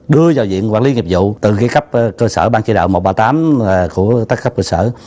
đưa vào viện quản lý nghiệp vụ từ cái cấp cơ sở ban chế độ một trăm ba mươi tám của các cấp cơ sở